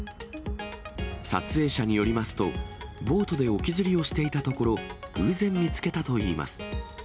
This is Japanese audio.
撮影者によりますと、ボートで沖釣りをしていたところ、偶然見つけたといいます。